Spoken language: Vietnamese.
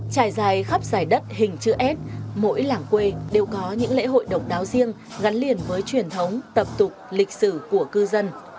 trải dài khắp dài đất hình chữ s mỗi làng quê đều có những lễ hội độc đáo riêng gắn liền với truyền thống tập tục lịch sử của cư dân